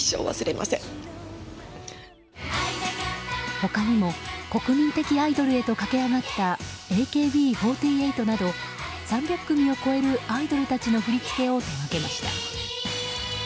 他にも国民的アイドルへと駆け上がったＡＫＢ４８など３００組を超えるアイドルたちの振り付けを手がけました。